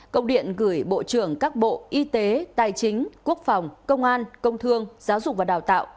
công điện gửi bộ trưởng các bộ y tế tài chính quốc phòng công an công thương giáo dục và đào tạo